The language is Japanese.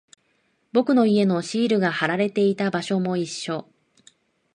僕の家のシールが貼られていた場所も一緒。